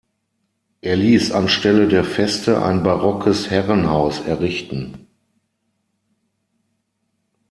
Er ließ anstelle der Feste ein barockes Herrenhaus errichten.